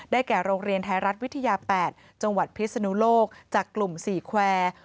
แก่โรงเรียนไทยรัฐวิทยา๘จังหวัดพิศนุโลกจากกลุ่ม๔แควร์